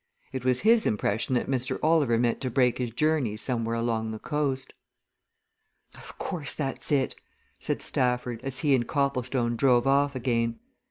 It was his impression that Mr. Oliver meant to break his journey somewhere along the coast. "Of course, that's it," said Stafford, as he and Copplestone drove off again.